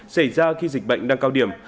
xảy ra khi dịch bệnh đang cao điểm